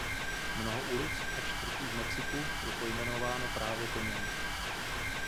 Mnoho ulic a čtvrtí v Mexiku je pojmenováno právě po něm.